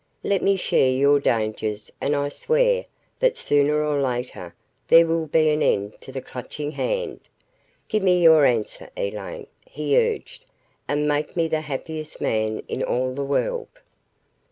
Let me share your dangers and I swear that sooner or later there will be an end to the Clutching Hand. Give me your answer, Elaine," he urged, "and make me the happiest man in all the world."